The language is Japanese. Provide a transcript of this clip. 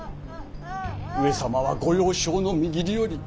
上様はご幼少のみぎりより